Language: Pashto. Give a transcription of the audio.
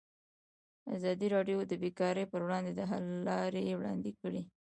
ازادي راډیو د بیکاري پر وړاندې د حل لارې وړاندې کړي.